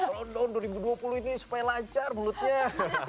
london dua ribu dua puluh ini supaya lancar mulutnya